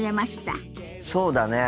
そうだね。